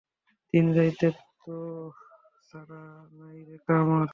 দিনে রাইতে টো টো ছাড়া নাইরে কাম আর।